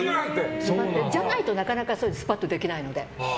そうじゃないと、なかなかスパッとできないので。